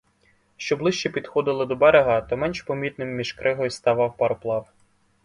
Що ближче підходили до берега, то менш помітним між кригою ставав пароплав.